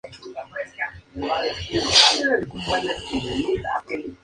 Inmediatamente, maniobró al oeste y luego al norte nuevamente.